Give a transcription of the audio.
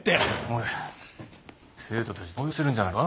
生徒たち動揺してるんじゃないのか？